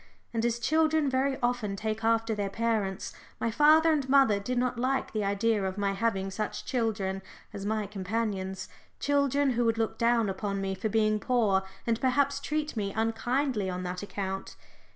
And as children very often take after their parents, my father and mother did not like the idea of my having such children as my companions children who would look down upon me for being poor, and perhaps treat me unkindly on that account.